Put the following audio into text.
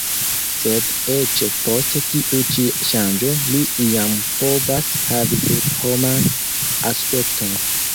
Sed eĉ post tiu ĉi ŝanĝo li iam povas havi tute homan aspekton.